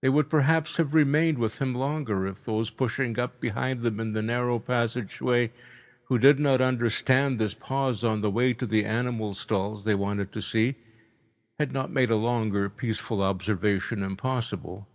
They would perhaps have remained with him longer, if those pushing up behind them in the narrow passage way, who did not understand this pause on the way to the animal stalls they wanted to see, had not made a longer peaceful observation impossible.